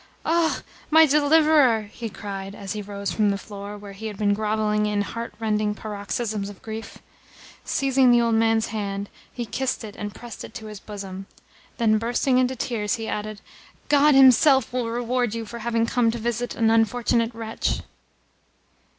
"Ah, my deliverer!" he cried as he rose from the floor, where he had been grovelling in heartrending paroxysms of grief. Seizing the old man's hand, he kissed it and pressed it to his bosom. Then, bursting into tears, he added: "God Himself will reward you for having come to visit an unfortunate wretch!"